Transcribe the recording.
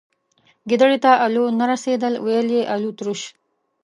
گيدړي ته الو نه رسيدل ، ويل يې الوتروش.